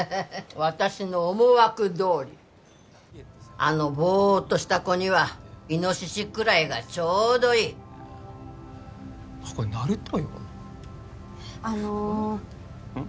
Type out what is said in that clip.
私の思惑どおりあのボーッとした子にはイノシシくらいがちょうどいいあっこれあのうん？